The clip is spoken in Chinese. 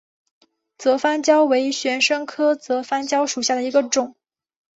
泽番椒为玄参科泽番椒属下的一个种。